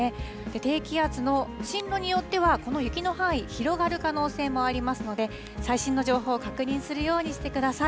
低気圧の進路によってはこの雪の範囲、広がる可能性もありますので、最新の情報を確認するようにしてください。